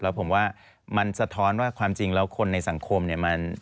แล้วผมว่ามันสะท้อนว่าความจริงแล้วคนในสังคมเนี่ย